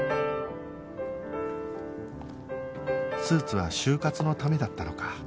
スーツは就活のためだったのか